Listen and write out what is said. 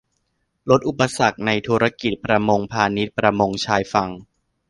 ลดอุปสรรคในธุรกิจ ประมงพาณิชย์ ประมงชายฝั่ง